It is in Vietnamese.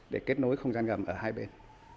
để kết nối không gian ngầm ở hai bên